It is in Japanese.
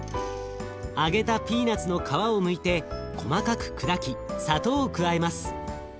揚げたピーナツの皮をむいて細かく砕き砂糖を加えます。